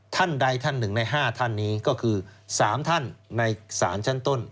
ท่านใดท่านหนึ่งใน๕ท่านนี้ก็คือ๓ท่านในศาลชั้นต้น